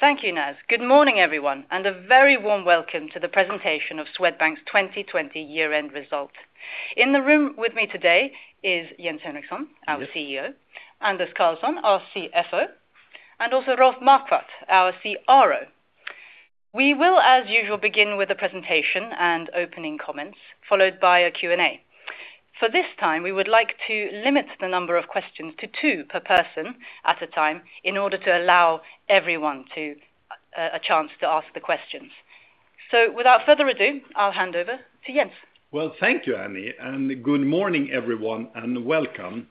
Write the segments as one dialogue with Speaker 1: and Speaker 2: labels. Speaker 1: Thank you, Naz. Good morning, everyone, and a very warm welcome to the presentation of Swedbank's 2020 year-end result. In the room with me today is Jens Henriksson, our CEO, Anders Karlsson, our CFO, and also Rolf Marquardt, our CRO. We will, as usual, begin with a presentation and opening comments, followed by a Q&A. For this time, we would like to limit the number of questions to two per person at a time in order to allow everyone a chance to ask the questions. Without further ado, I'll hand over to Jens.
Speaker 2: Well, thank you, Annie. Good morning, everyone. Welcome.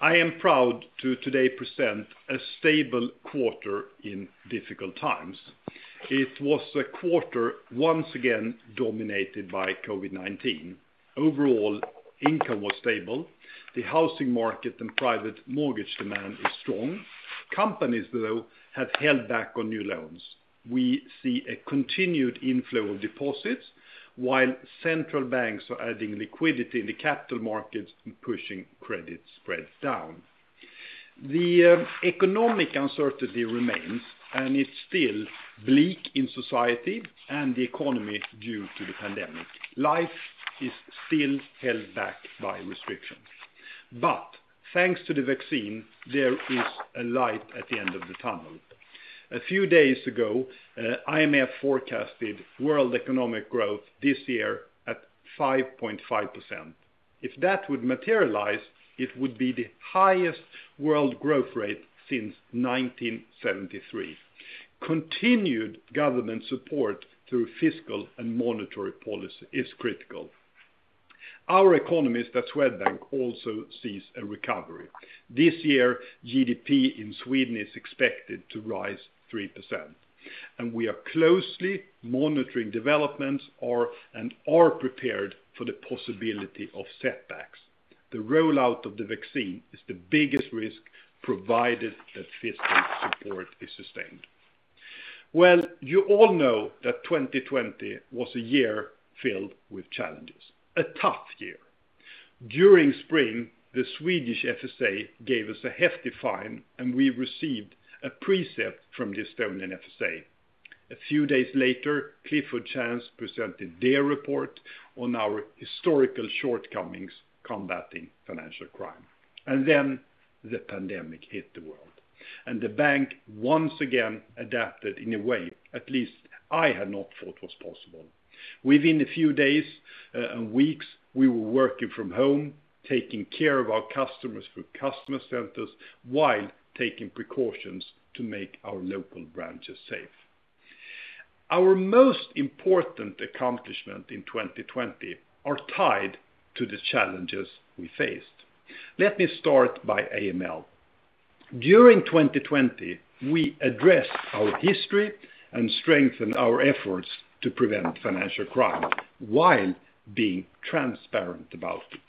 Speaker 2: I am proud to today present a stable quarter in difficult times. It was a quarter once again dominated by COVID-19. Overall income was stable. The housing market and private mortgage demand is strong. Companies, though, have held back on new loans. We see a continued inflow of deposits while central banks are adding liquidity in the capital markets and pushing credit spreads down. The economic uncertainty remains. It's still bleak in society and the economy due to the pandemic. Life is still held back by restrictions. Thanks to the vaccine, there is a light at the end of the tunnel. A few days ago, IMF forecasted world economic growth this year at 5.5%. If that would materialize, it would be the highest world growth rate since 1973. Continued government support through fiscal and monetary policy is critical. Our economist at Swedbank also sees a recovery. This year, GDP in Sweden is expected to rise 3%, and we are closely monitoring developments and are prepared for the possibility of setbacks. The rollout of the vaccine is the biggest risk, provided that fiscal support is sustained. Well, you all know that 2020 was a year filled with challenges, a tough year. During spring, the Swedish FSA gave us a hefty fine, and we received a precept from the Estonian FSA. A few days later, Clifford Chance presented their report on our historical shortcomings combating financial crime. Then the pandemic hit the world, and the bank once again adapted in a way at least I had not thought was possible. Within a few days and weeks, we were working from home, taking care of our customers through customer centers while taking precautions to make our local branches safe. Our most important accomplishment in 2020 are tied to the challenges we faced. Let me start by AML. During 2020, we addressed our history and strengthened our efforts to prevent financial crime while being transparent about it.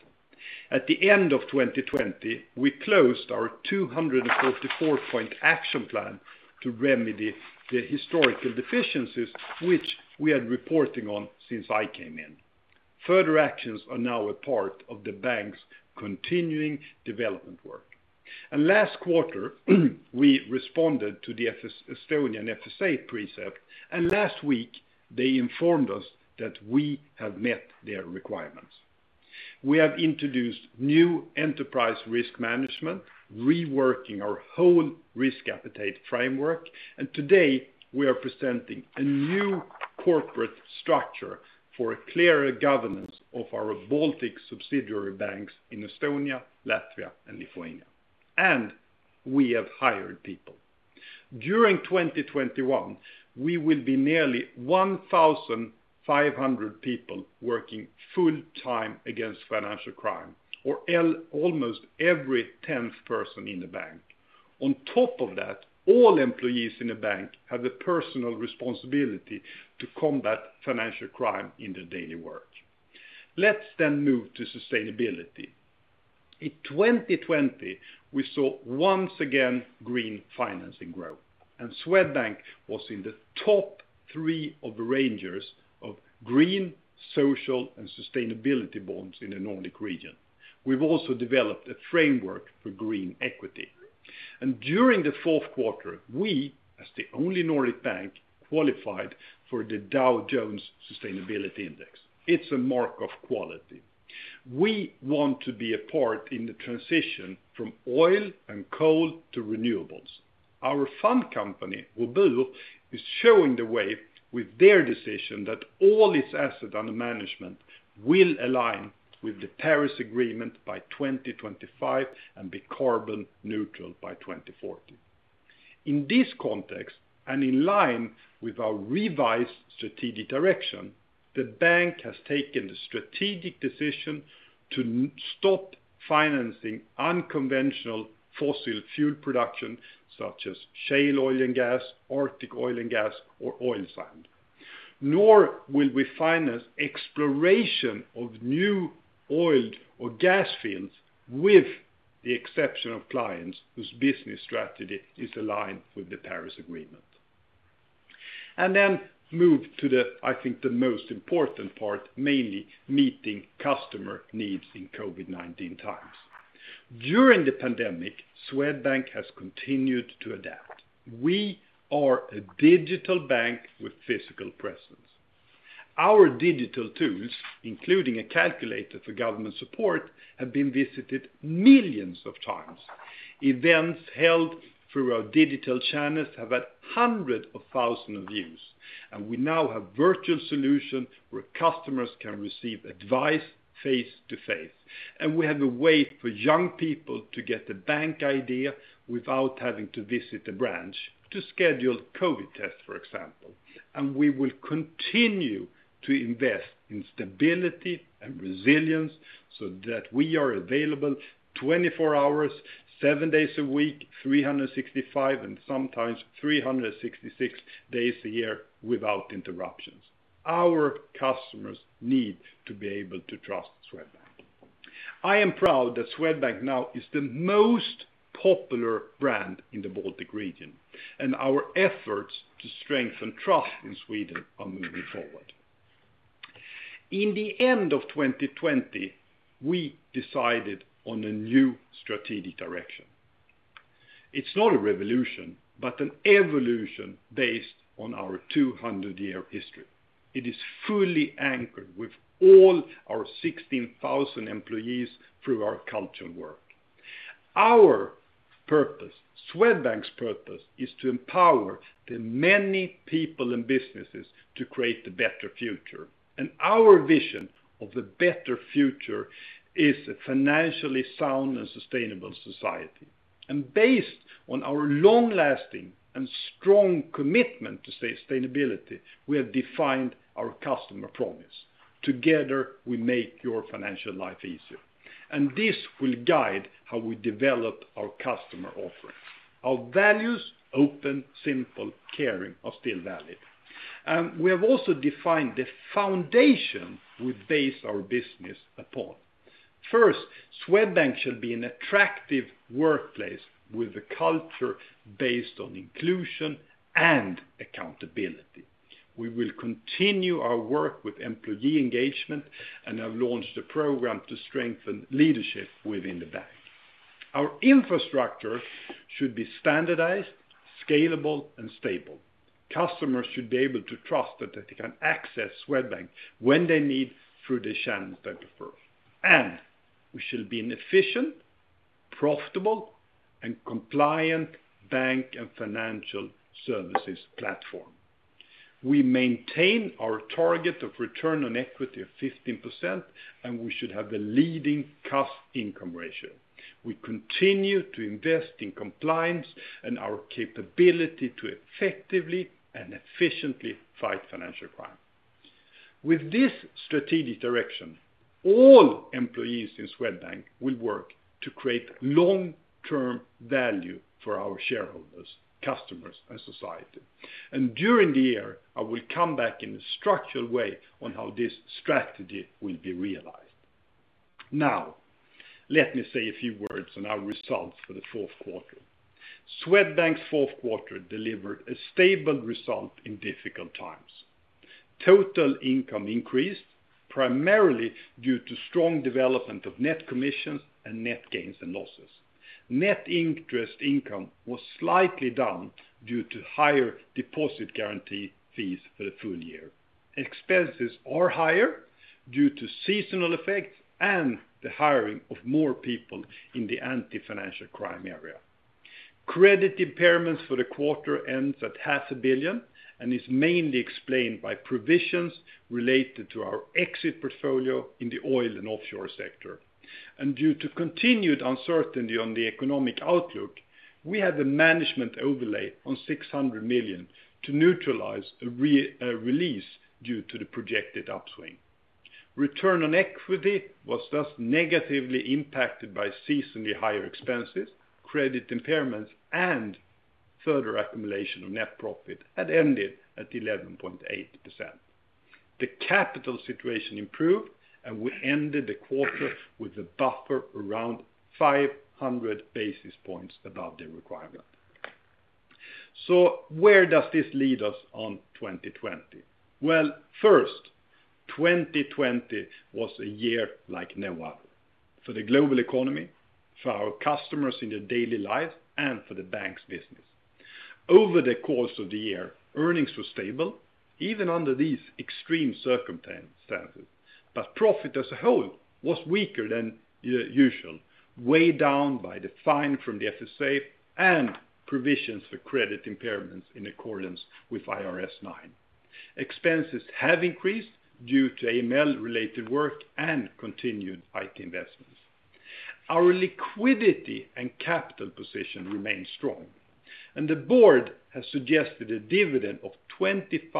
Speaker 2: At the end of 2020, we closed our 244-point action plan to remedy the historical deficiencies, which we had reporting on since I came in. Further actions are now a part of the bank's continuing development work. Last quarter, we responded to the Estonian FSA precept, and last week they informed us that we have met their requirements. We have introduced new enterprise risk management, reworking our whole risk appetite framework, and today we are presenting a new corporate structure for a clearer governance of our Baltic subsidiary banks in Estonia, Latvia, and Lithuania. We have hired people. During 2021, we will be nearly 1,500 people working full time against financial crime, or almost every 10th person in the bank. On top of that, all employees in the bank have a personal responsibility to combat financial crime in their daily work. Let's move to sustainability. In 2020, we saw once again green financing growth, and Swedbank was in the top three of arrangers of green, social, and sustainability bonds in the Nordic region. We've also developed a framework for green equity. During the fourth quarter, we, as the only Nordic bank, qualified for the Dow Jones Sustainability Index. It's a mark of quality. We want to be a part in the transition from oil and coal to renewables. Our fund company, Robur, is showing the way with their decision that all its asset under management will align with the Paris Agreement by 2025 and be carbon neutral by 2040. In this context, in line with our revised strategic direction, the bank has taken the strategic decision to stop financing unconventional fossil fuel production, such as shale oil and gas, Arctic oil and gas, or oil sand. Nor will we finance exploration of new oil or gas fields, with the exception of clients whose business strategy is aligned with the Paris Agreement. Move to, I think, the most important part, mainly meeting customer needs in COVID-19 times. During the pandemic, Swedbank has continued to adapt. We are a digital bank with physical presence. Our digital tools, including a calculator for government support, have been visited millions of times. Events held through our digital channels have had hundreds of thousands of views. We now have virtual solutions where customers can receive advice face-to-face. We have a way for young people to get a BankID without having to visit a branch to schedule COVID tests, for example. We will continue to invest in stability and resilience so that we are available 24 hours, seven days a week, 365 and sometimes 366 days a year without interruptions. Our customers need to be able to trust Swedbank. I am proud that Swedbank now is the most popular brand in the Baltic region, and our efforts to strengthen trust in Sweden are moving forward. In the end of 2020, we decided on a new strategic direction. It's not a revolution, but an evolution based on our 200-year history. It is fully anchored with all our 16,000 employees through our cultural work. Our purpose, Swedbank's purpose, is to empower the many people and businesses to create a better future. Our vision of the better future is a financially sound and sustainable society. Based on our long-lasting and strong commitment to sustainability, we have defined our customer promise. Together, we make your financial life easier. This will guide how we develop our customer offering. Our values, open, simple, caring, are still valid. We have also defined the foundation we base our business upon. First, Swedbank should be an attractive workplace with a culture based on inclusion and accountability. We will continue our work with employee engagement and have launched a program to strengthen leadership within the bank. Our infrastructure should be standardized, scalable, and stable. Customers should be able to trust that they can access Swedbank when they need through the channels they prefer. We should be an efficient, profitable, and compliant bank and financial services platform. We maintain our target of return on equity of 15%, and we should have a leading cost-income ratio. We continue to invest in compliance and our capability to effectively and efficiently fight financial crime. With this strategic direction, all employees in Swedbank will work to create long-term value for our shareholders, customers, and society. During the year, I will come back in a structural way on how this strategy will be realized. Now, let me say a few words on our results for the fourth quarter. Swedbank's fourth quarter delivered a stable result in difficult times. Total income increased, primarily due to strong development of net commissions and net gains and losses. Net interest income was slightly down due to higher deposit guarantee fees for the full-year. Expenses are higher due to seasonal effects and the hiring of more people in the anti-financial crime area. Credit impairments for the quarter ends at 500 million And is mainly explained by provisions related to our exit portfolio in the oil and offshore sector. Due to continued uncertainty on the economic outlook, we had a management overlay on 600 million to neutralize a release due to the projected upswing. Return on equity was thus negatively impacted by seasonally higher expenses, credit impairments, and further accumulation of net profit had ended at 11.8%. The capital situation improved, and we ended the quarter with a buffer around 500 basis points above the requirement. Where does this lead us on 2020? Well, first, 2020 was a year like no other, for the global economy, for our customers in their daily life, and for the bank's business. Over the course of the year, earnings were stable, even under these extreme circumstances, Profit as a whole was weaker than usual, weighed down by the fine from the FSA and provisions for credit impairments in accordance with IFRS 9. Expenses have increased due to AML-related work and continued IT investments. Our liquidity and capital position remains strong, The board has suggested a dividend of 25%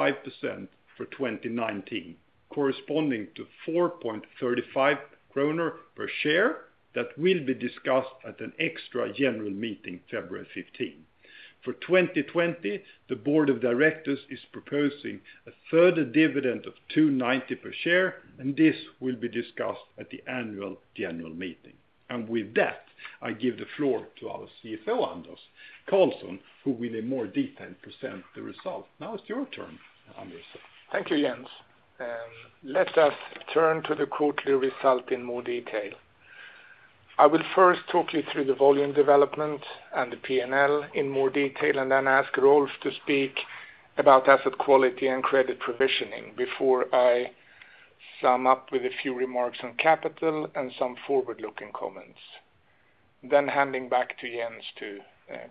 Speaker 2: for 2019, corresponding to 4.35 kronor per share that will be discussed at an extra general meeting February 15th. For 2020, the Board of Directors is proposing a further dividend of 2.90 per share, This will be discussed at the Annual General Meeting. With that, I give the floor to our CFO, Anders Karlsson, who will in more detail present the result. Now it's your turn, Anders.
Speaker 3: Thank you, Jens. Let us turn to the quarterly result in more detail. I will first talk you through the volume development and the P&L in more detail and then ask Rolf to speak about asset quality and credit provisioning before I sum up with a few remarks on capital and some forward-looking comments. Handing back to Jens to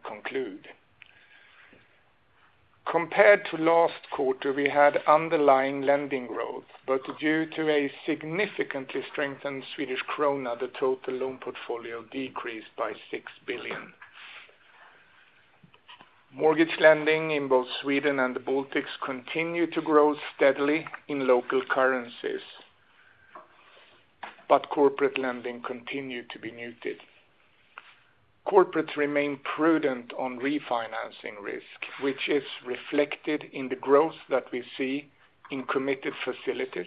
Speaker 3: conclude. Compared to last quarter, we had underlying lending growth, but due to a significantly strengthened Swedish krona, the total loan portfolio decreased by 6 billion. Mortgage lending in both Sweden and the Baltics continued to grow steadily in local currencies, but corporate lending continued to be muted. Corporates remain prudent on refinancing risk, which is reflected in the growth that we see in committed facilities.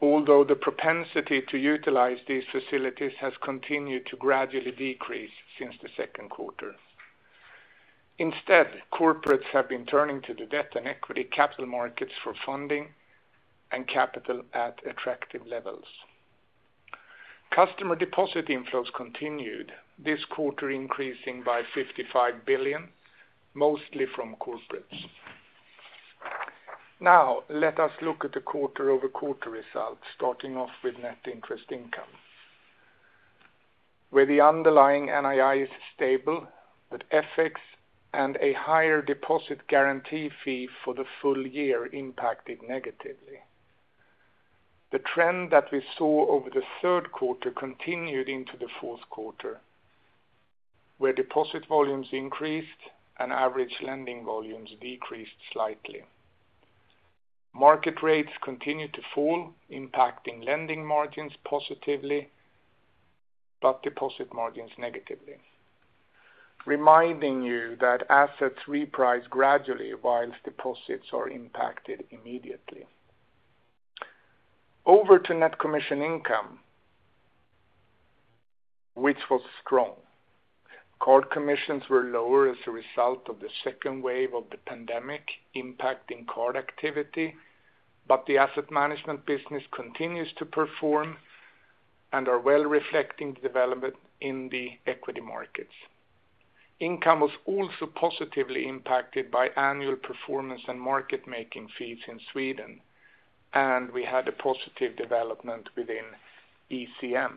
Speaker 3: The propensity to utilize these facilities has continued to gradually decrease since the second quarter. Instead, corporates have been turning to the debt and equity capital markets for funding and capital at attractive levels. Customer deposit inflows continued, this quarter increasing by 55 billion, mostly from corporates. Let us look at the quarter-over-quarter results starting off with net interest income, where the underlying NII is stable with FX and a higher deposit guarantee fee for the full-year impacted negatively. The trend that we saw over the third quarter continued into the fourth quarter, where deposit volumes increased and average lending volumes decreased slightly. Market rates continued to fall, impacting lending margins positively, but deposit margins negatively. Reminding you that assets reprice gradually while deposits are impacted immediately. Over to net commission income, which was strong. Card commissions were lower as a result of the second wave of the pandemic impacting card activity, but the asset management business continues to perform and are well reflecting the development in the equity markets. Income was also positively impacted by annual performance and market-making fees in Sweden, and we had a positive development within ECM.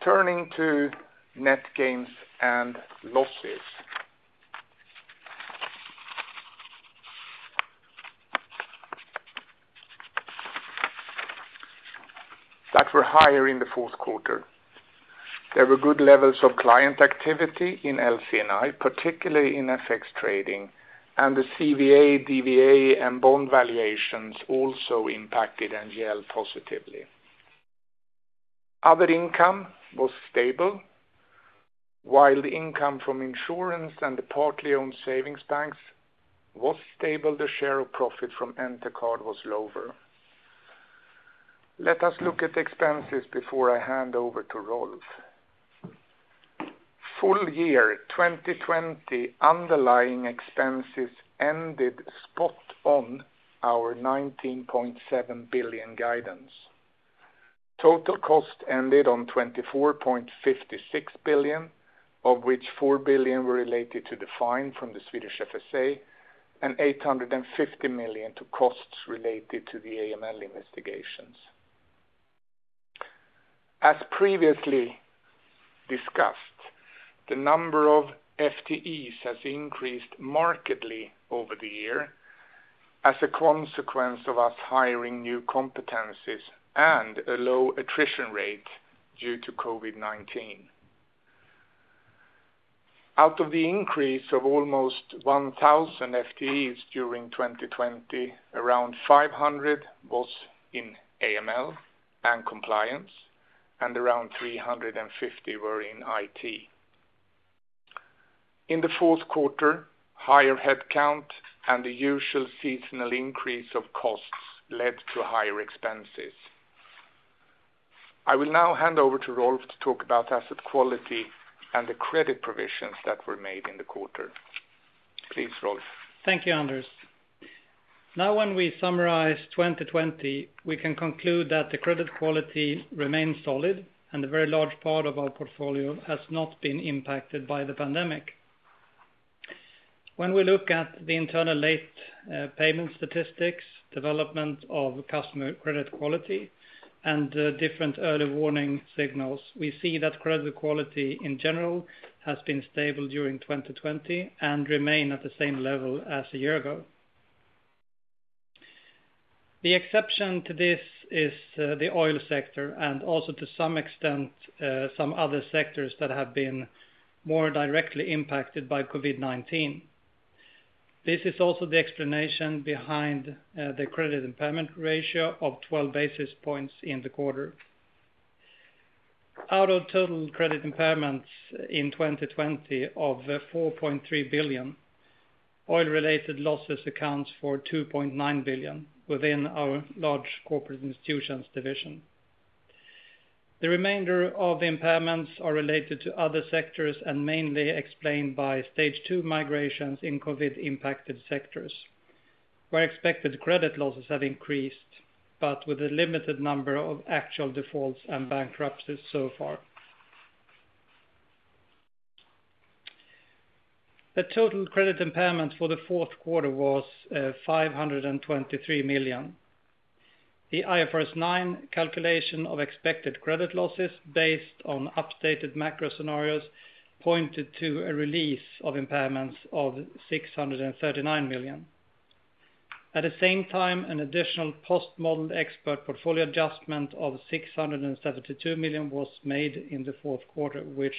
Speaker 3: Turning to net gains and losses that were higher in the fourth quarter. There were good levels of client activity in LC&I, particularly in FX trading, and the CVA, DVA, and bond valuations also impacted NGL positively. Other income was stable. While the income from insurance and the partly owned savings banks was stable, the share of profit from Entercard was lower. Let us look at expenses before I hand over to Rolf. Full-year 2020 underlying expenses ended spot on our 19.7 billion guidance. Total cost ended on 24.56 billion, of which 4 billion were related to the fine from the Swedish FSA and 850 million to costs related to the AML investigations. As previously discussed, the number of FTEs has increased markedly over the year as a consequence of us hiring new competencies and a low attrition rate due to COVID-19. Out of the increase of almost 1,000 FTEs during 2020, around 500 was in AML and compliance and around 350 were in IT. In the fourth quarter, higher headcount and the usual seasonal increase of costs led to higher expenses. I will now hand over to Rolf to talk about asset quality and the credit provisions that were made in the quarter. Please, Rolf.
Speaker 4: Thank you, Anders. When we summarize 2020, we can conclude that the credit quality remains solid and a very large part of our portfolio has not been impacted by the pandemic. When we look at the internal late payment statistics, development of customer credit quality, and the different early warning signals, we see that credit quality in general has been stable during 2020 and remain at the same level as a year ago. The exception to this is the oil sector and also to some extent some other sectors that have been more directly impacted by COVID-19. This is also the explanation behind the credit impairment ratio of 12 basis points in the quarter. Out of total credit impairments in 2020 of 4.3 billion, oil-related losses accounts for 2.9 billion within our Large Corporates & Institutions division. The remainder of the impairments are related to other sectors and mainly explained by Stage 2 migrations in COVID-19-impacted sectors, where expected credit losses have increased, but with a limited number of actual defaults and bankruptcies so far. The total credit impairment for the fourth quarter was 523 million. The IFRS 9 calculation of expected credit losses based on updated macro scenarios pointed to a release of impairments of 639 million. At the same time, an additional post-modeled expert portfolio adjustment of 672 million was made in the fourth quarter, which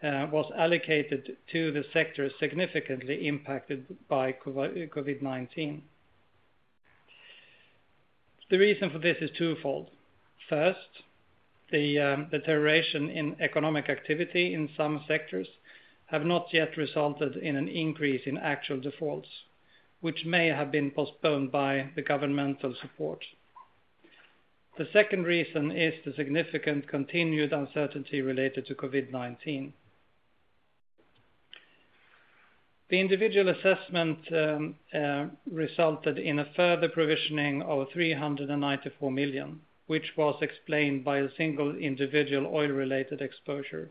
Speaker 4: was allocated to the sectors significantly impacted by COVID-19. The reason for this is twofold. First, the deterioration in economic activity in some sectors have not yet resulted in an increase in actual defaults, which may have been postponed by the governmental support. The second reason is the significant continued uncertainty related to COVID-19. The individual assessment resulted in a further provisioning of 394 million, which was explained by a single individual oil-related exposure.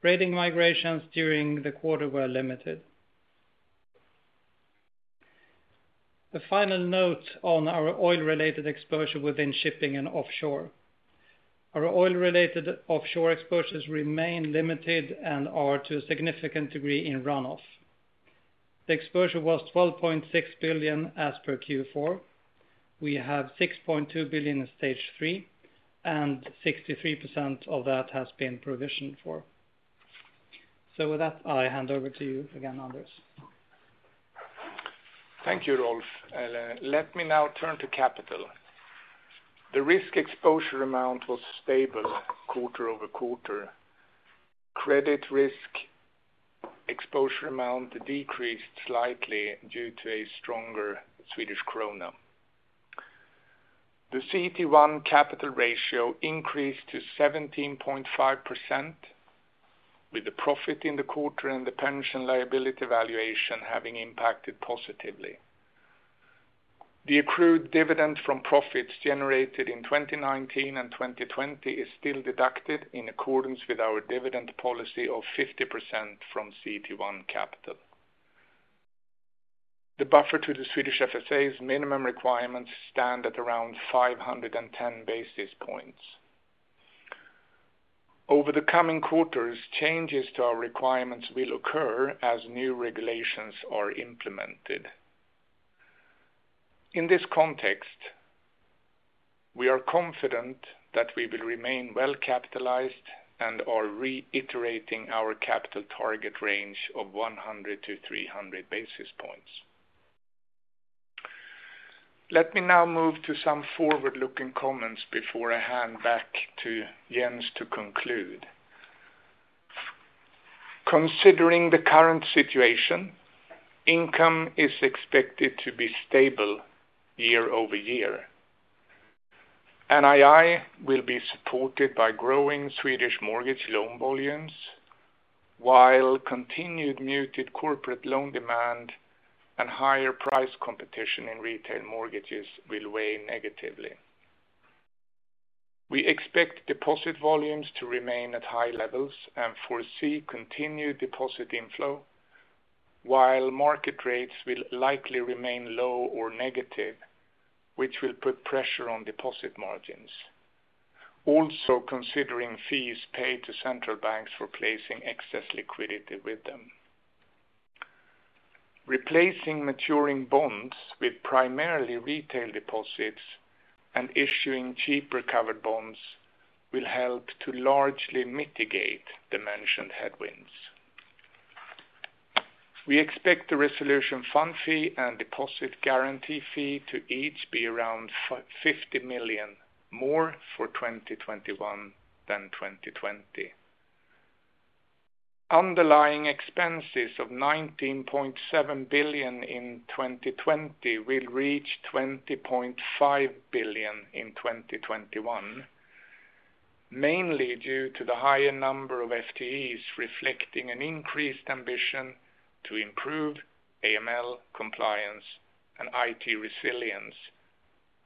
Speaker 4: Rating migrations during the quarter were limited. The final note on our oil-related exposure within shipping and offshore. Our oil-related offshore exposures remain limited and are to a significant degree in runoff. The exposure was 12.6 billion as per Q4. We have 6.2 billion in Stage 3 and 63% of that has been provisioned for. With that, I hand over to you again, Anders.
Speaker 3: Thank you, Rolf. Let me now turn to capital. The risk exposure amount was stable quarter-over-quarter. Credit risk exposure amount decreased slightly due to a stronger Swedish krona. The CET1 capital ratio increased to 17.5% with the profit in the quarter and the pension liability valuation having impacted positively. The accrued dividend from profits generated in 2019 and 2020 is still deducted in accordance with our dividend policy of 50% from CET1 capital. The buffer to the Swedish FSA's minimum requirements stand at around 510 basis points. Over the coming quarters, changes to our requirements will occur as new regulations are implemented. In this context, we are confident that we will remain well capitalized and are reiterating our capital target range of 100-300 basis points. Let me now move to some forward-looking comments before I hand back to Jens to conclude. Considering the current situation, income is expected to be stable year-over-year. NII will be supported by growing Swedish mortgage loan volumes, while continued muted corporate loan demand and higher price competition in retail mortgages will weigh negatively. We expect deposit volumes to remain at high levels and foresee continued deposit inflow, while market rates will likely remain low or negative, which will put pressure on deposit margins. Also considering fees paid to central banks for placing excess liquidity with them. Replacing maturing bonds with primarily retail deposits and issuing cheaper covered bonds will help to largely mitigate the mentioned headwinds. We expect the resolution fund fee and deposit guarantee fee to each be around 50 million more for 2021 than 2020. Underlying expenses of 19.7 billion in 2020 will reach 20.5 billion in 2021, mainly due to the higher number of FTEs reflecting an increased ambition to improve AML compliance and IT resilience,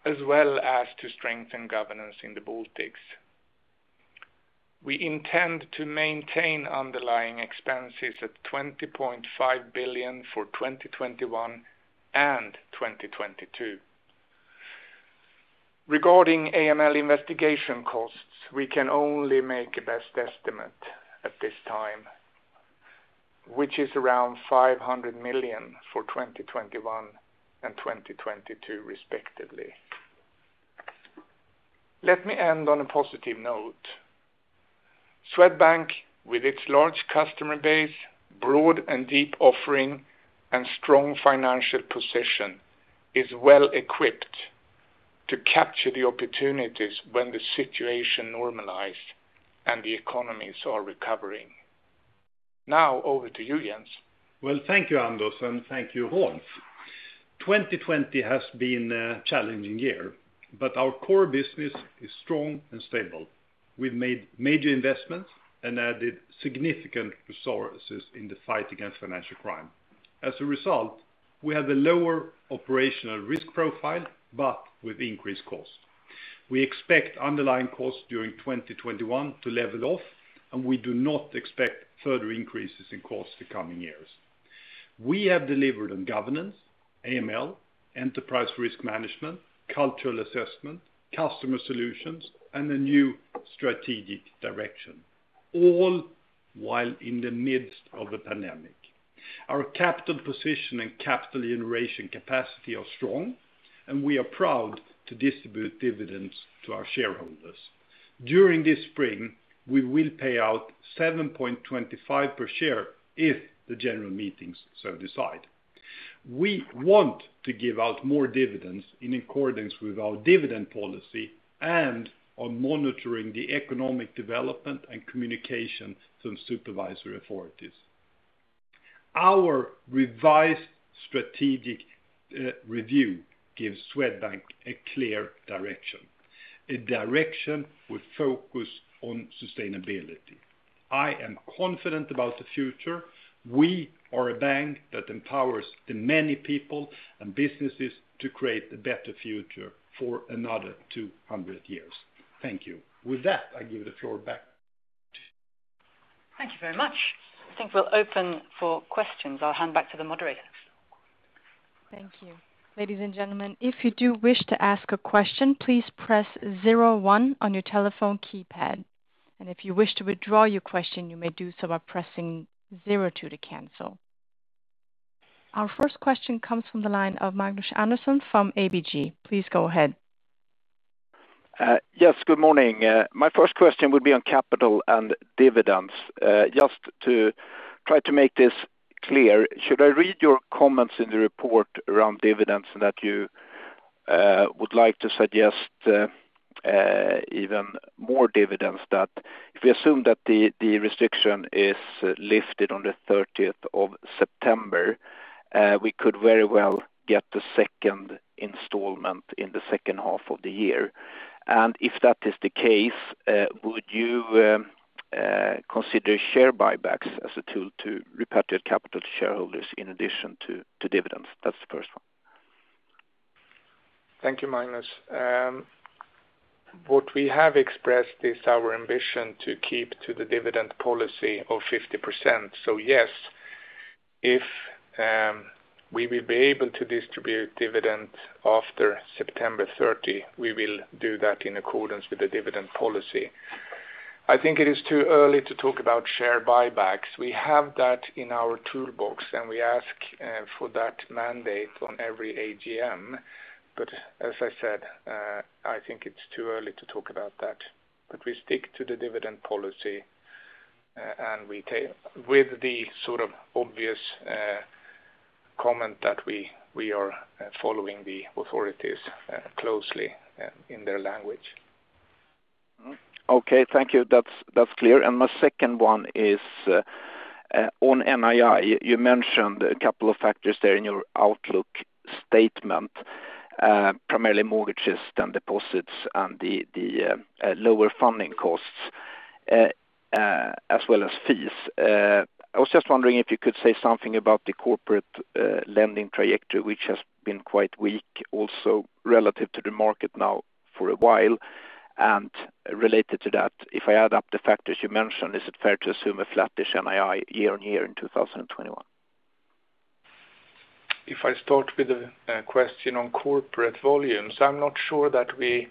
Speaker 3: as well as to strengthen governance in the Baltics. We intend to maintain underlying expenses at 20.5 billion for 2021 and 2022. Regarding AML investigation costs, we can only make a best estimate at this time, which is around 500 million for 2021 and 2022, respectively. Let me end on a positive note. Swedbank, with its large customer base, broad and deep offering, and strong financial position, is well equipped to capture the opportunities when the situation normalize and the economies are recovering. Over to you, Jens.
Speaker 2: Well, thank you, Anders, and thank you, Rolf. 2020 has been a challenging year, but our core business is strong and stable. We've made major investments and added significant resources in the fight against financial crime. As a result, we have a lower operational risk profile, but with increased cost. We expect underlying costs during 2021 to level off, and we do not expect further increases in costs the coming years. We have delivered on governance, AML, enterprise risk management, cultural assessment, customer solutions, and a new strategic direction, all while in the midst of a pandemic. Our capital position and capital generation capacity are strong, and we are proud to distribute dividends to our shareholders. During this spring, we will pay out 7.25 per share if the general meetings so decide. We want to give out more dividends in accordance with our dividend policy and are monitoring the economic development and communication from supervisory authorities. Our revised strategic review gives Swedbank a clear direction, a direction with focus on sustainability. I am confident about the future. We are a bank that empowers the many people and businesses to create a better future for another 200 years. Thank you. With that, I give the floor back to Annie.
Speaker 1: Thank you very much. I think we'll open for questions. I'll hand back to the moderator.
Speaker 5: Thank you. Ladies and gentlemen, if you do wish to ask a question, please press zero one on your telephone keypad. If you wish to withdraw your question, you may do so by pressing zero two to cancel. Our first question comes from the line of Magnus Andersson from ABG. Please go ahead.
Speaker 6: Yes, good morning. My first question would be on capital and dividends. Just to try to make this clear, should I read your comments in the report around dividends and that you would like to suggest even more dividends? If we assume that the restriction is lifted on the 30th of September, we could very well get the second installment in the second half of the year. If that is the case, would you consider share buybacks as a tool to repatriate capital to shareholders in addition to dividends? That's the first one.
Speaker 2: Thank you, Magnus. What we have expressed is our ambition to keep to the dividend policy of 50%. Yes, if we will be able to distribute dividends after September 30, we will do that in accordance with the dividend policy. I think it is too early to talk about share buybacks. We have that in our toolbox, and we ask for that mandate on every AGM. As I said, I think it's too early to talk about that. We stick to the dividend policy, with the obvious comment that we are following the authorities closely in their language.
Speaker 6: Thank you. That's clear. My second one is on NII. You mentioned a couple of factors there in your outlook statement, primarily mortgages and deposits and the lower funding costs as well as fees. I was just wondering if you could say something about the corporate lending trajectory, which has been quite weak also relative to the market now for a while. Related to that, if I add up the factors you mentioned, is it fair to assume a flattish NII year-on-year in 2021?
Speaker 3: If I start with the question on corporate volumes, I'm not sure that we,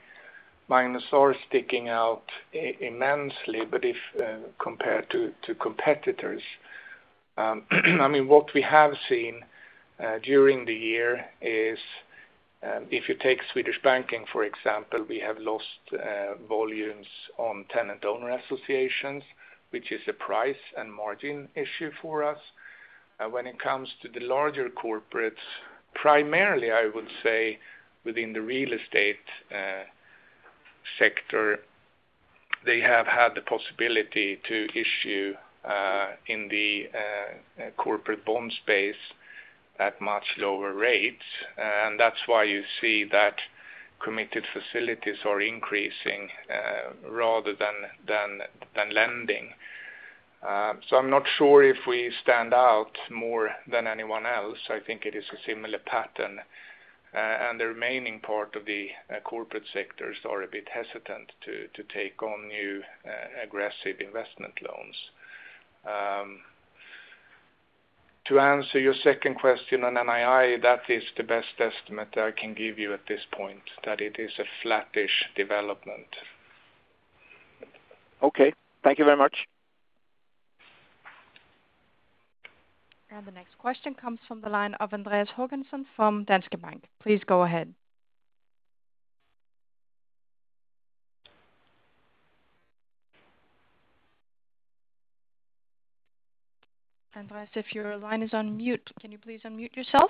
Speaker 3: Magnus, are sticking out immensely. If compared to competitors, what we have seen during the year is if you take Swedish banking, for example, we have lost volumes on tenant owner associations, which is a price and margin issue for us. When it comes to the larger corporates, primarily, I would say within the real estate sector, they have had the possibility to issue in the corporate bond space at much lower rates. That's why you see that committed facilities are increasing rather than lending. I'm not sure if we stand out more than anyone else. I think it is a similar pattern. The remaining part of the corporate sectors are a bit hesitant to take on new aggressive investment loans. To answer your second question on NII, that is the best estimate I can give you at this point, that it is a flattish development.
Speaker 6: Okay. Thank you very much.
Speaker 5: The next question comes from the line of Andreas Håkansson from Danske Bank. Please go ahead. Andreas, if your line is on mute, can you please unmute yourself?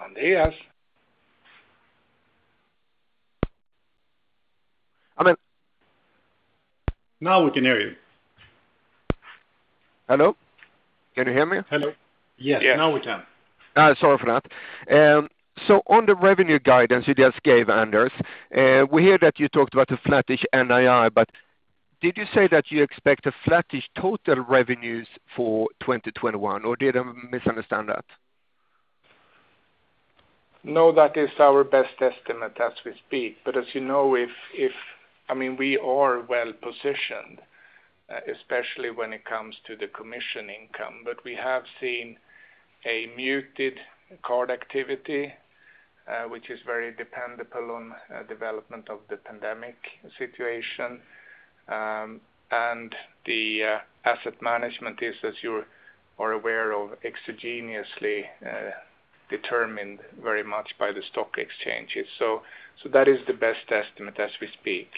Speaker 2: Andreas?
Speaker 7: I mean-
Speaker 3: Now we can hear you.
Speaker 7: Hello? Can you hear me?
Speaker 2: Yes.
Speaker 3: Now we can.
Speaker 7: Sorry for that. On the revenue guidance you just gave, Anders, we hear that you talked about a flattish NII, but did you say that you expect a flattish total revenues for 2021, or did I misunderstand that?
Speaker 3: That is our best estimate as we speak. As you know, we are well-positioned, especially when it comes to the commission income. We have seen a muted card activity, which is very dependable on development of the pandemic situation. The asset management is, as you are aware of, exogenously determined very much by the stock exchanges. That is the best estimate as we speak.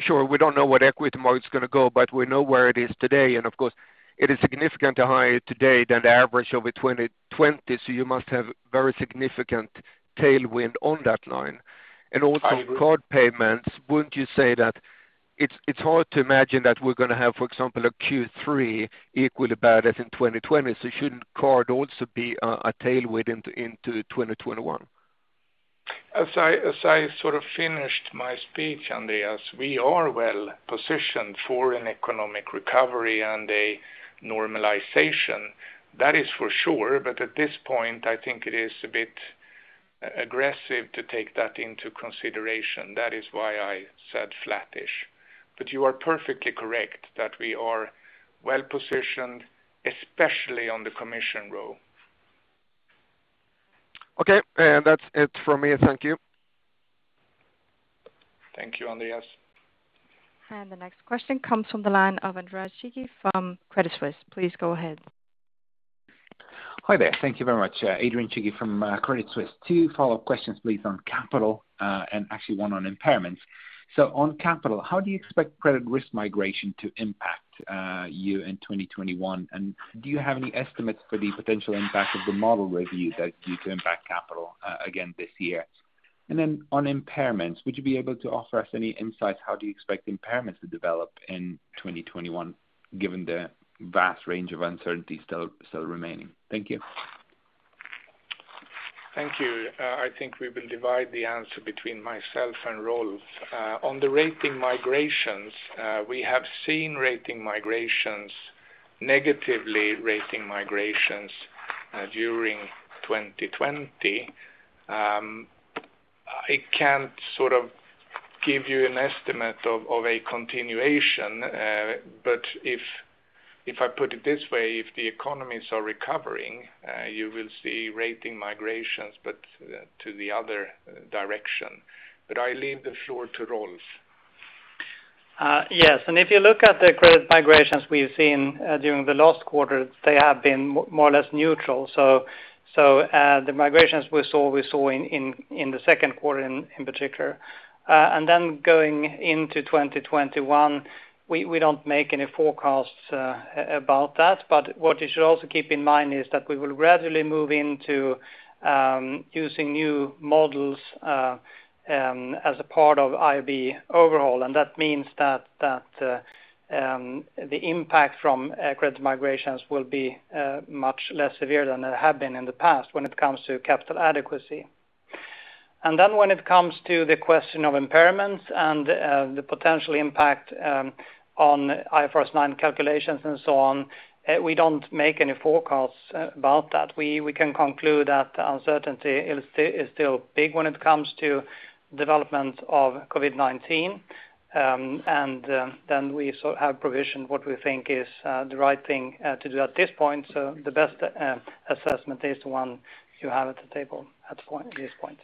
Speaker 7: Sure, we don't know where equity market's going to go, but we know where it is today, and of course, it is significantly higher today than the average over 2020, so you must have very significant tailwind on that line.
Speaker 3: I would-
Speaker 7: Card payments, wouldn't you say that it's hard to imagine that we're going to have, for example, a Q3 equally bad as in 2020, so shouldn't card also be a tailwind into 2021?
Speaker 3: As I sort of finished my speech, Andreas, we are well-positioned for an economic recovery and a normalization. That is for sure, but at this point, I think it is a bit aggressive to take that into consideration. That is why I said flattish. You are perfectly correct that we are well-positioned, especially on the commission row.
Speaker 7: Okay. That's it from me. Thank you.
Speaker 3: Thank you, Andreas.
Speaker 5: The next question comes from the line of Adrian Cighi from Credit Suisse. Please go ahead.
Speaker 8: Hi there. Thank you very much. Adrian Cighi from Credit Suisse. Two follow-up questions, please, on capital, and actually one on impairments. On capital, how do you expect credit risk migration to impact you in 2021? Do you have any estimates for the potential impact of the model review that's due to impact capital again this year? On impairments, would you be able to offer us any insights how do you expect impairments to develop in 2021 given the vast range of uncertainties still remaining? Thank you.
Speaker 3: Thank you. I think we will divide the answer between myself and Rolf. On the rating migrations, we have seen rating migrations, negatively rating migrations during 2020. I can't give you an estimate of a continuation, but if I put it this way, if the economies are recovering, you will see rating migrations, but to the other direction. I leave the floor to Rolf.
Speaker 4: Yes. If you look at the credit migrations we've seen during the last quarter, they have been more or less neutral. The migrations we saw, we saw in the second quarter in particular. Going into 2021, we don't make any forecasts about that. What you should also keep in mind is that we will gradually move into using new models as a part of IRB overhaul, and that means that the impact from credit migrations will be much less severe than they have been in the past when it comes to capital adequacy. When it comes to the question of impairments and the potential impact on IFRS 9 calculations and so on, we don't make any forecasts about that. We can conclude that the uncertainty is still big when it comes to development of COVID-19. We have provisioned what we think is the right thing to do at this point. The best assessment is the one you have at the table at this point.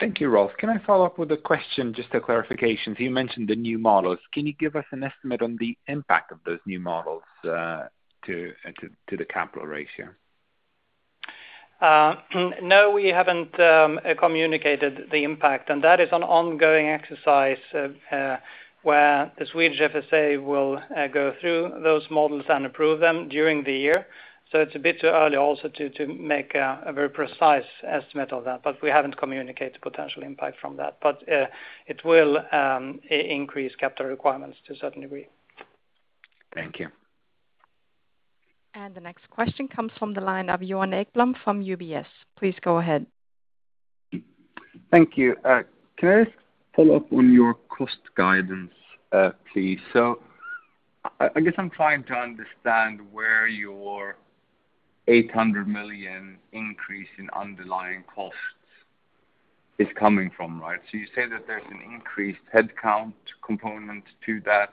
Speaker 8: Thank you, Rolf. Can I follow up with a question just for clarification? You mentioned the new models. Can you give us an estimate on the impact of those new models to the capital ratio?
Speaker 4: No, we haven't communicated the impact, and that is an ongoing exercise where the Swedish FSA will go through those models and approve them during the year. It's a bit too early also to make a very precise estimate of that. We haven't communicated potential impact from that. It will increase capital requirements to a certain degree.
Speaker 8: Thank you.
Speaker 5: The next question comes from the line of Johan Ekblom from UBS. Please go ahead.
Speaker 9: Thank you. Can I just follow up on your cost guidance, please? I guess I'm trying to understand where your 800 million increase in underlying costs is coming from, right? You say that there's an increased headcount component to that,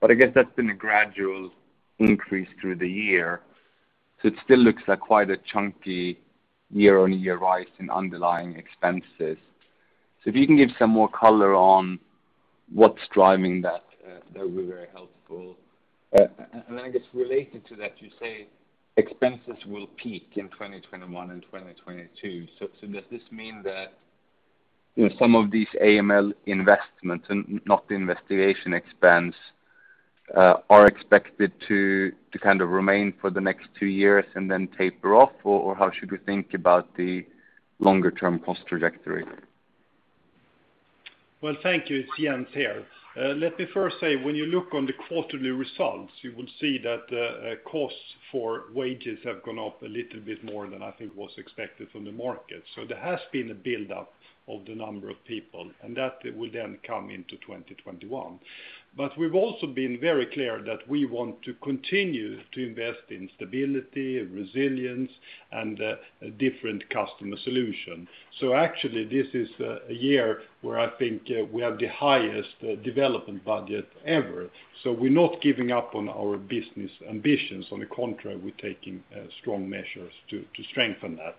Speaker 9: but I guess that's been a gradual increase through the year. It still looks like quite a chunky year-on-year rise in underlying expenses. If you can give some more color on what's driving that would be very helpful. I guess related to that, you say expenses will peak in 2021 and 2022. Does this mean that some of these AML investments and not the investigation expense are expected to remain for the next two years and then taper off? How should we think about the longer-term cost trajectory?
Speaker 2: Well, thank you. It's Jens here. Let me first say, when you look on the quarterly results, you will see that the costs for wages have gone up a little bit more than I think was expected from the market. There has been a buildup of the number of people, and that will then come into 2021. We've also been very clear that we want to continue to invest in stability, resilience, and different customer solution. Actually, this is a year where I think we have the highest development budget ever. We're not giving up on our business ambitions. On the contrary, we're taking strong measures to strengthen that.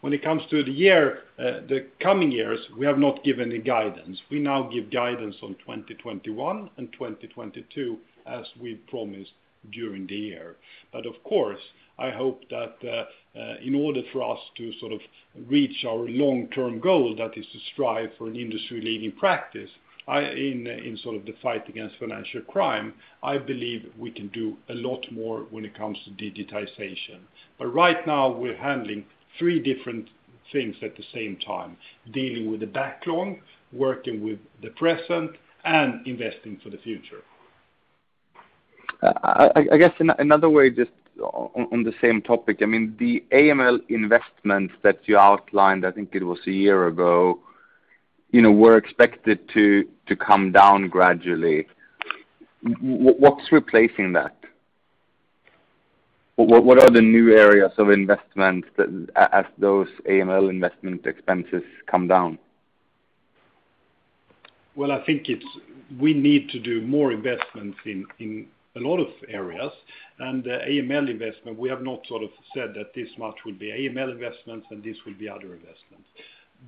Speaker 2: When it comes to the coming years, we have not given any guidance. We now give guidance on 2021 and 2022 as we promised during the year. Of course, I hope that in order for us to reach our long-term goal, that is to strive for an industry-leading practice in the fight against financial crime, I believe we can do a lot more when it comes to digitization. Right now, we're handling three different things at the same time. Dealing with the backlog, working with the present, and investing for the future.
Speaker 9: I guess another way just on the same topic. The AML investments that you outlined, I think it was a year ago, were expected to come down gradually. What's replacing that? What are the new areas of investment as those AML investment expenses come down?
Speaker 2: Well, I think we need to do more investments in a lot of areas, and AML investment, we have not said that this much will be AML investments and this will be other investments.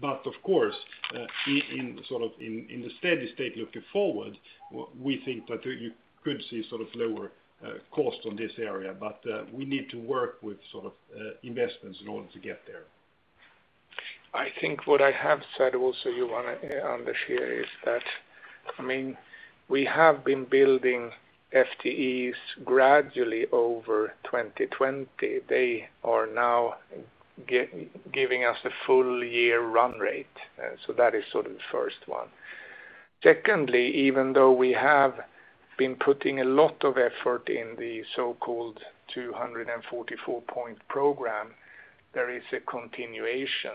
Speaker 2: Of course, in the steady state looking forward, we think that you could see lower cost on this area, but we need to work with investments in order to get there.
Speaker 3: I think what I have said also, Johan, Anders here, is that we have been building FTEs gradually over 2020. They are now giving us the full-year run rate. That is the first one. Secondly, even though we have been putting a lot of effort in the so-called 244-point program, there is a continuation.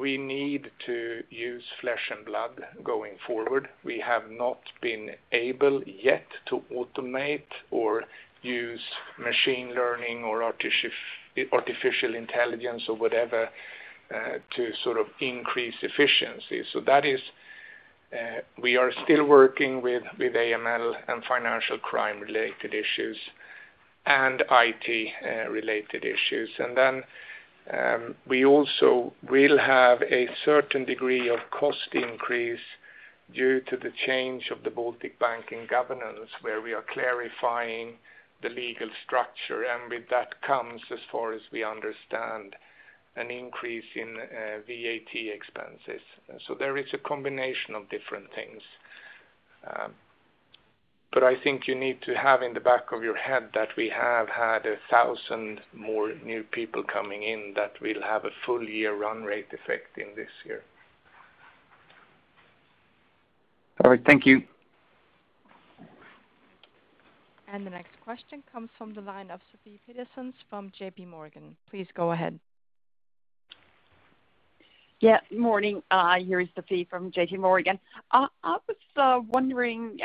Speaker 3: We need to use flesh and blood going forward. We have not been able yet to automate or use machine learning or artificial intelligence or whatever to increase efficiency. We are still working with AML and financial crime-related issues and IT-related issues. We also will have a certain degree of cost increase due to the change of the Baltic Bank in governance, where we are clarifying the legal structure, and with that comes, as far as we understand, an increase in VAT expenses. There is a combination of different things. I think you need to have in the back of your head that we have had 1,000 more new people coming in that will have a full-year run rate effect in this year.
Speaker 9: All right. Thank you.
Speaker 5: The next question comes from the line of Sofie Peterzéns from JPMorgan. Please go ahead.
Speaker 10: Morning. Here is Sofie from JPMorgan. I was wondering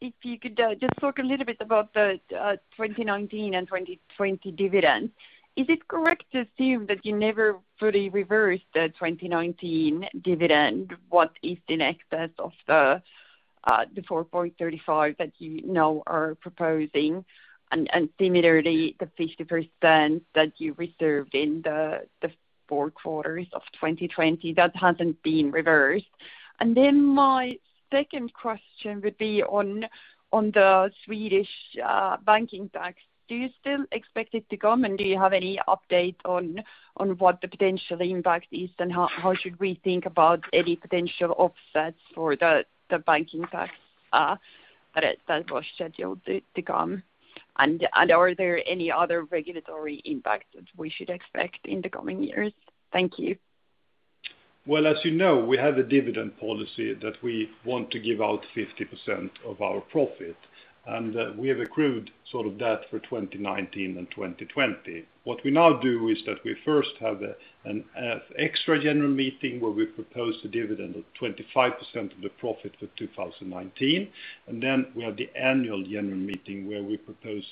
Speaker 10: if you could just talk a little bit about the 2019 and 2020 dividends. Is it correct to assume that you never fully reversed the 2019 dividend? What is in excess of 4.35 that you now are proposing, and similarly, the 50% that you reserved in the fourth quarter of 2020 that hasn't been reversed? My second question would be on the Swedish banking tax. Do you still expect it to come, and do you have any update on what the potential impact is and how should we think about any potential offsets for the banking tax that was scheduled to come? Are there any other regulatory impacts that we should expect in the coming years? Thank you.
Speaker 2: Well, as you know, we have a dividend policy that we want to give out 50% of our profit, and we have accrued that for 2019 and 2020. What we now do is that we first have an extra general meeting where we propose a dividend of 25% of the profit for 2019. Then we have the Annual General Meeting where we propose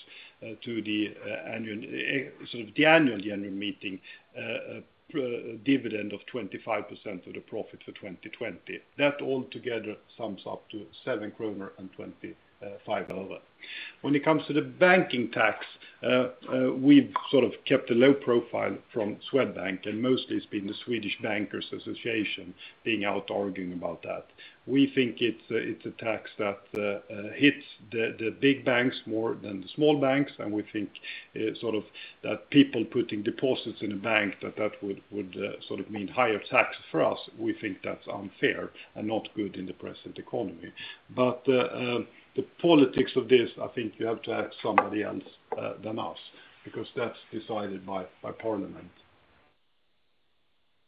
Speaker 2: to the Annual General Meeting a dividend of 25% of the profit for 2020. That all together sums up to SEK 7.25. When it comes to the banking tax, we've kept a low profile from Swedbank. Mostly it's been the Swedish Bankers' Association being out arguing about that. We think it's a tax that hits the big banks more than the small banks. We think that people putting deposits in a bank that would mean higher tax for us. We think that's unfair and not good in the present economy. The politics of this, I think you have to ask somebody else than us because that's decided by Parliament.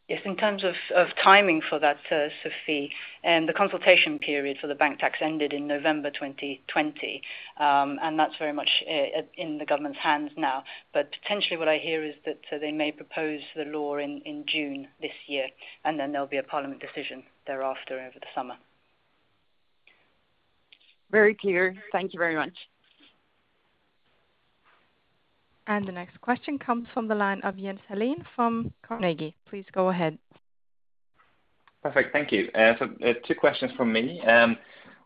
Speaker 1: Yes, in terms of timing for that, Sofie, the consultation period for the bank tax ended in November 2020, that's very much in the government's hands now. Potentially what I hear is that they may propose the law in June this year, then there'll be a parliament decision thereafter over the summer.
Speaker 10: Very clear. Thank you very much.
Speaker 5: The next question comes from the line of Jens Hallén from Carnegie. Please go ahead.
Speaker 11: Perfect. Thank you. Two questions from me.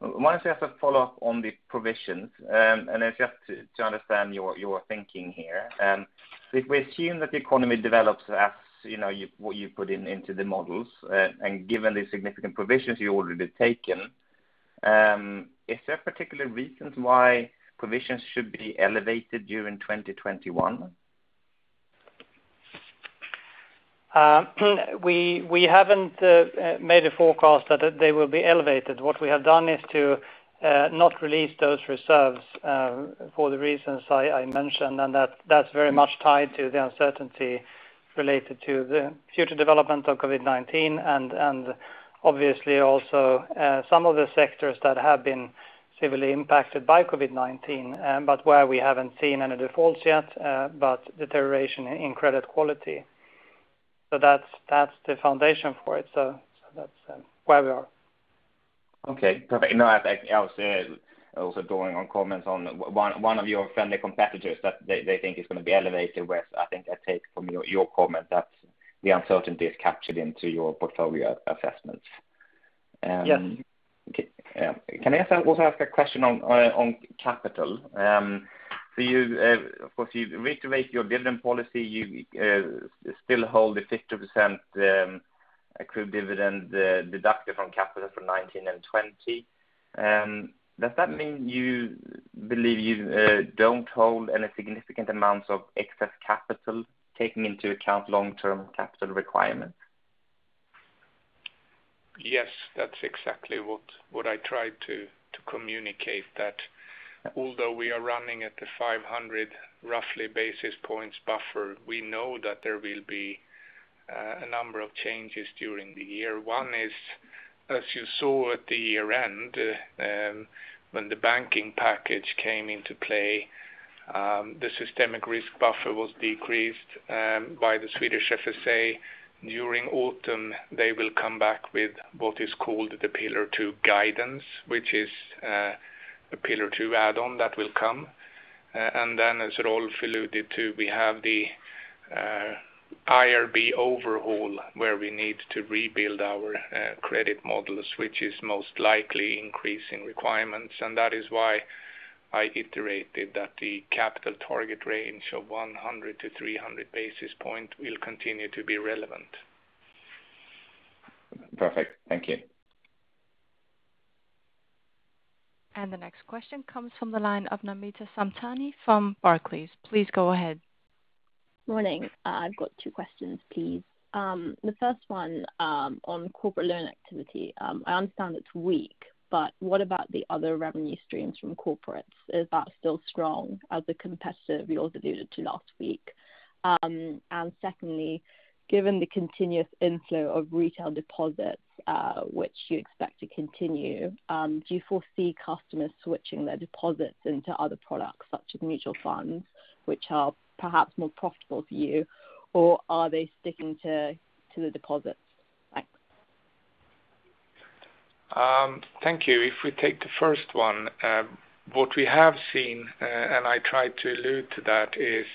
Speaker 11: One is just a follow-up on the provisions, just to understand your thinking here. If we assume that the economy develops as what you put into the models, given the significant provisions you already taken, is there a particular reason why provisions should be elevated during 2021?
Speaker 4: We haven't made a forecast that they will be elevated. What we have done is to not release those reserves for the reasons I mentioned, and that's very much tied to the uncertainty related to the future development of COVID-19 and obviously also some of the sectors that have been severely impacted by COVID-19, but where we haven't seen any defaults yet, but deterioration in credit quality. That's the foundation for it. That's where we are.
Speaker 11: Okay, perfect. I was also going on comments on one of your friendly competitors that they think it's going to be elevated, whereas I think I take from your comment that the uncertainty is captured into your portfolio assessments.
Speaker 4: Yes.
Speaker 11: Can I also ask a question on capital? Of course you reiterate your dividend policy. You still hold the 50% accrued dividend deducted from capital from 2019 and 2020. Does that mean you believe you don't hold any significant amounts of excess capital taking into account long-term capital requirements?
Speaker 3: Yes. That's exactly what I tried to communicate, that although we are running at the 500 basis points buffer, we know that there will be a number of changes during the year. One is, as you saw at the year-end, when the banking package came into play, the systemic risk buffer was decreased by the Swedish FSA. During autumn, they will come back with what is called the Pillar II guidance, which is a Pillar II add-on that will come. As Rolf alluded to, we have the IRB overhaul where we need to rebuild our credit models, which is most likely increasing requirements, and that is why I iterated that the capital target range of 100-300 basis points will continue to be relevant.
Speaker 11: Perfect. Thank you.
Speaker 5: The next question comes from the line of Namita Samtani from Barclays. Please go ahead.
Speaker 12: Morning. I've got two questions, please. The first one on corporate loan activity. I understand it's weak, what about the other revenue streams from corporates? Is that still strong as a competitor we also alluded to last week? Secondly, given the continuous inflow of retail deposits, which you expect to continue, do you foresee customers switching their deposits into other products such as mutual funds, which are perhaps more profitable for you, or are they sticking to the deposits? Thanks.
Speaker 3: Thank you. If we take the first one, what we have seen, and I tried to allude to that, is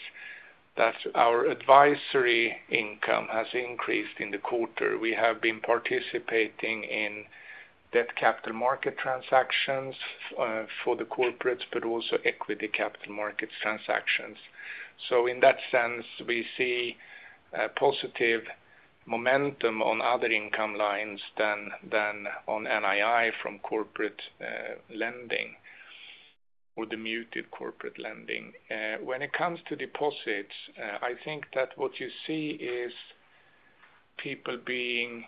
Speaker 3: that our advisory income has increased in the quarter. We have been participating in debt capital market transactions for the corporates, but also equity capital markets transactions. In that sense, we see a positive momentum on other income lines than on NII from corporate lending or the muted corporate lending. When it comes to deposits, I think that what you see is people being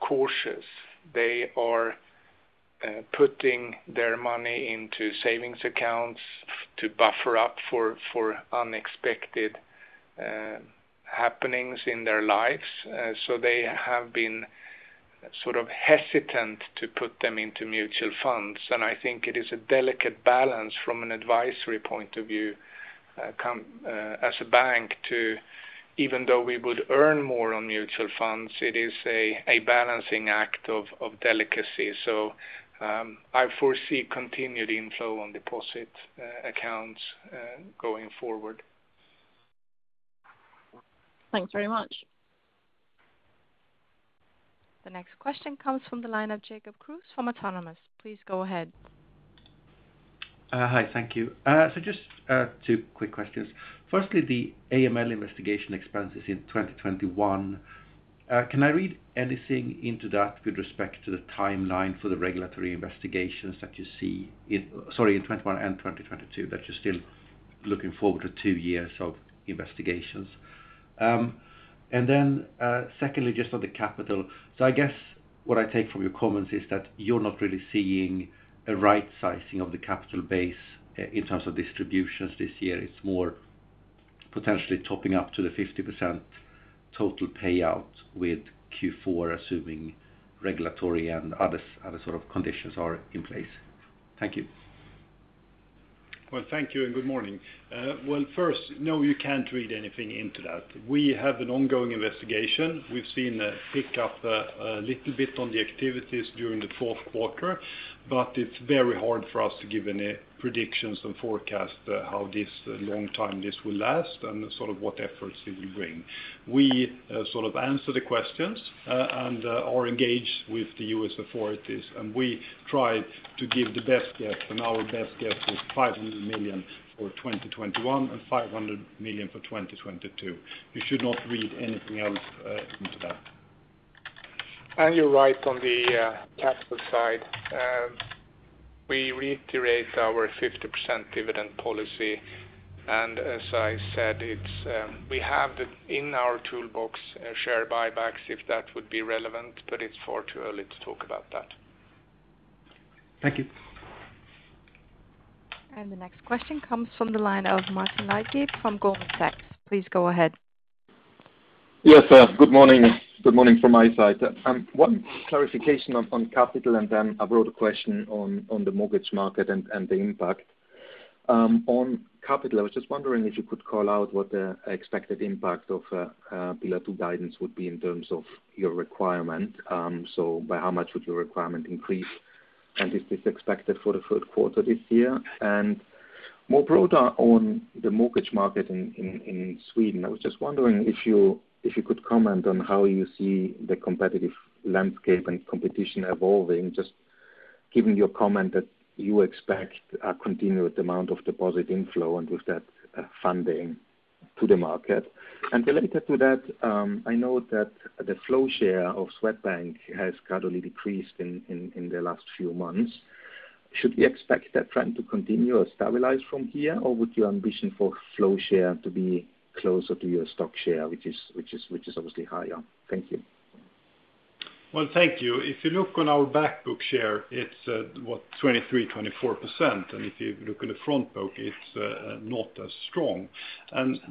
Speaker 3: cautious. They are putting their money into savings accounts to buffer up for unexpected happenings in their lives. They have been hesitant to put them into mutual funds, and I think it is a delicate balance from an advisory point of view as a bank to, even though we would earn more on mutual funds, it is a balancing act of delicacy. I foresee continued inflow on deposit accounts going forward.
Speaker 12: Thanks very much.
Speaker 5: The next question comes from the line of Jacob Kruse from Autonomous. Please go ahead.
Speaker 13: Hi. Thank you. Just two quick questions. Firstly, the AML investigation expenses in 2021. Can I read anything into that with respect to the timeline for the regulatory investigations that you see in 2021 and 2022, that you're still looking forward to two years of investigations? Secondly, just on the capital. I guess what I take from your comments is that you're not really seeing a right sizing of the capital base in terms of distributions this year. It's more. Potentially topping up to the 50% total payout with Q4, assuming regulatory and other sort of conditions are in place. Thank you.
Speaker 2: Well, thank you and good morning. Well first, no, you cannot read anything into that. We have an ongoing investigation. We've seen a pick-up a little bit on the activities during the fourth quarter, but it's very hard for us to give any predictions and forecast how long time this will last and sort of what efforts it will bring. We answer the questions and are engaged with the U.S. authorities. We try to give the best guess. Our best guess was 500 million for 2021 and 500 million for 2022. You should not read anything else into that. You're right on the capital side. We reiterate our 50% dividend policy. As I said, we have it in our toolbox share buybacks if that would be relevant. It's far too early to talk about that.
Speaker 13: Thank you.
Speaker 5: The next question comes from the line of Martin Leitgeb from Goldman Sachs. Please go ahead.
Speaker 14: Yes, good morning from my side. One clarification on capital, and then a broader question on the mortgage market and the impact. On capital, I was just wondering if you could call out what the expected impact of Pillar II guidance would be in terms of your requirement. By how much would your requirement increase, and is this expected for the third quarter this year? More broader on the mortgage market in Sweden, I was just wondering if you could comment on how you see the competitive landscape and competition evolving, just given your comment that you expect a continued amount of deposit inflow and with that funding to the market. Related to that, I know that the flow share of Swedbank has gradually decreased in the last few months. Should we expect that trend to continue or stabilize from here or would you ambition for flow share to be closer to your stock share, which is obviously higher? Thank you.
Speaker 2: Well, thank you. If you look on our back book share, it's what, 23%-24%. If you look in the front book, it's not as strong.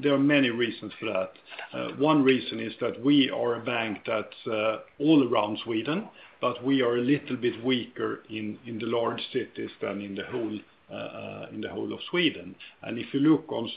Speaker 2: There are many reasons for that. One reason is that we are a bank that's all around Sweden, but we are a little bit weaker in the large cities than in the whole of Sweden. If you look on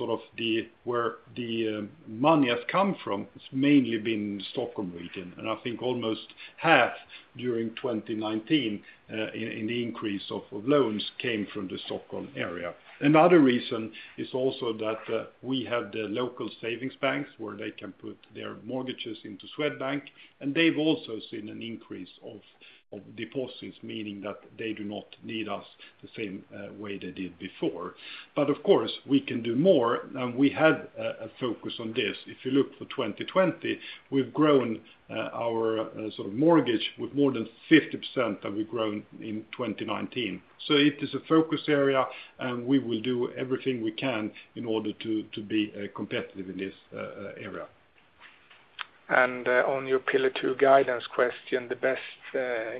Speaker 2: where the money has come from, it's mainly been Stockholm region, and I think almost half during 2019 in the increase of loans came from the Stockholm area. Another reason is also that we have the local savings banks where they can put their mortgages into Swedbank, and they've also seen an increase of deposits, meaning that they do not need us the same way they did before. Of course we can do more, and we have a focus on this. If you look for 2020, we've grown our mortgage with more than 50% that we've grown in 2019. It is a focus area, and we will do everything we can in order to be competitive in this area.
Speaker 3: On your Pillar II guidance question, the best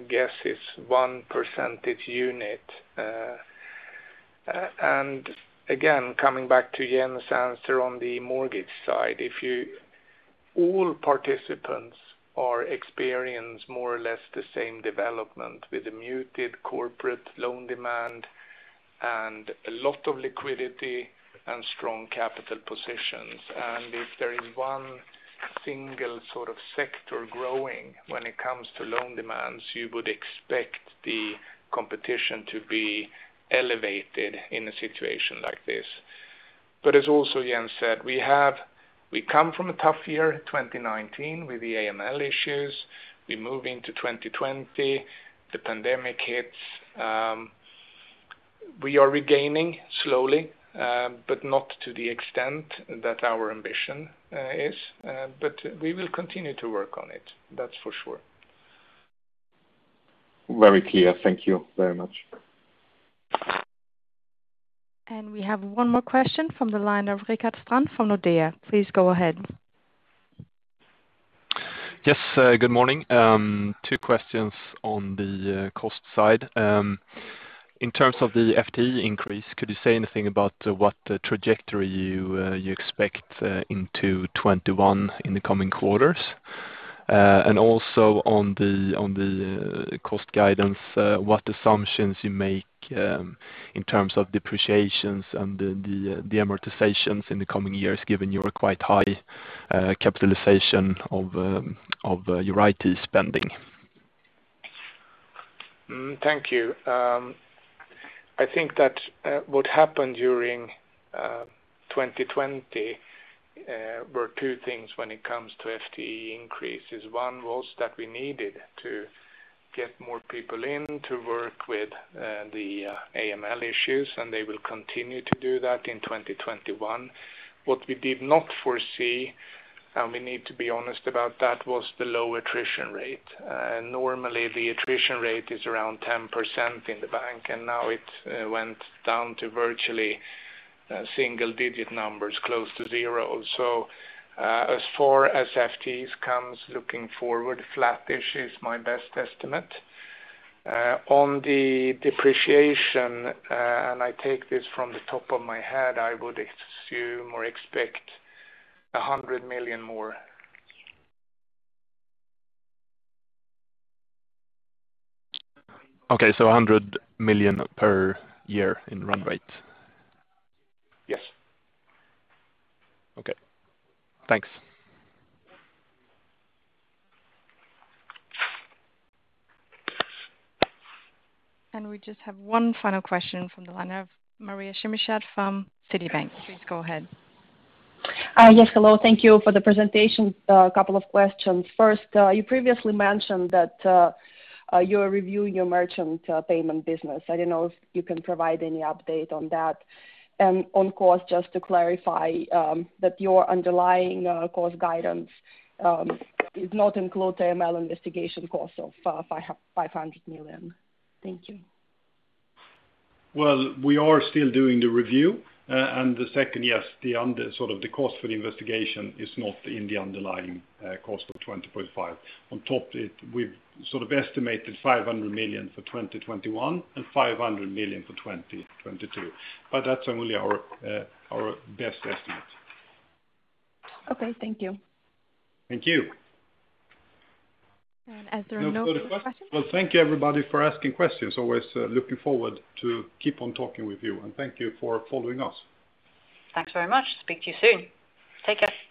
Speaker 3: guess is one percentage unit. Again, coming back to Jens' answer on the mortgage side, if you, all participants are experience more or less the same development with a muted corporate loan demand and a lot of liquidity and strong capital positions. If there is one single sector growing when it comes to loan demands, you would expect the competition to be elevated in a situation like this. As also Jens said, we come from a tough year, 2019, with the AML issues. We move into 2020, the pandemic hits. We are regaining slowly, but not to the extent that our ambition is. We will continue to work on it, that's for sure.
Speaker 14: Very clear. Thank you very much.
Speaker 5: We have one more question from the line of Rickard Strand from Nordea. Please go ahead.
Speaker 15: Yes, good morning. Two questions on the cost side. In terms of the FTE increase, could you say anything about what trajectory you expect into 2021 in the coming quarters? Also on the cost guidance, what assumptions you make in terms of depreciations and the amortizations in the coming years given your quite high capitalization of your IT spending?
Speaker 3: Thank you. I think that what happened during 2020 were two things when it comes to FTE increases. They will continue to do that in 2021. What we did not foresee, and we need to be honest about that, was the low attrition rate. Normally the attrition rate is around 10% in the bank, and now it went down to virtually single-digit numbers close to zero. As far as FTEs comes looking forward, flat-ish is my best estimate. On the depreciation, and I take this from the top of my head, I would assume or expect 100 million more.
Speaker 15: Okay, 100 million per year in run rate.
Speaker 3: Yes.
Speaker 15: Okay. Thanks.
Speaker 5: We just have one final question from the line of Maria Semikhatova from Citibank. Please go ahead.
Speaker 16: Yes, hello. Thank you for the presentation. A couple of questions. First, you previously mentioned that you are reviewing your merchant payment business. I don't know if you can provide any update on that. On cost, just to clarify that your underlying cost guidance does not include AML investigation cost of 500 million. Thank you.
Speaker 2: Well, we are still doing the review. The second, yes, the cost for the investigation is not in the underlying cost of 20.5 billion. On top of it, we've estimated 500 million for 2021 and 500 million for 2022. That's only our best estimate.
Speaker 16: Okay, thank you.
Speaker 2: Thank you.
Speaker 5: As there are no further questions.
Speaker 2: Well, thank you everybody for asking questions. Always looking forward to keep on talking with you, and thank you for following us.
Speaker 1: Thanks very much. Speak to you soon. Take care.